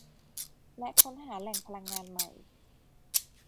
และค้นหาแหล่งพลังงานใหม่